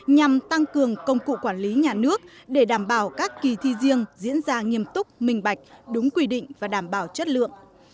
nhằm tăng cường công cụ quản lý nhà nước để đảm bảo các kỳ thi riêng diễn ra nghiêm túc minh bạch đúng quy định và đảm bảo chất lượng